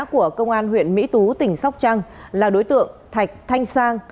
của công an huyện mỹ tú tỉnh sóc trăng là đối tượng thạch thanh sang